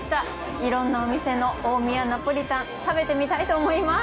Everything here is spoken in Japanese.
いろんなお店の大宮ナポリタン食べてみたいと思います